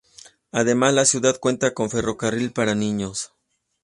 Además, la ciudad cuenta con ferrocarril para niños.